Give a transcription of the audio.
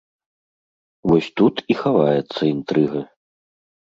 Вось тут і хаваецца інтрыга.